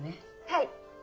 はい。